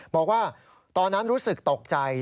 บอกว่าตอนนั้นรู้สึกตกใจ